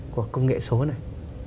của công nghệ số này